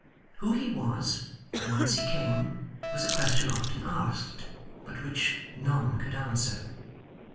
Who he was, or whence he came, was a question often asked, but which none could answer.